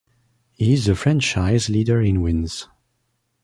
He is the franchise leader in wins.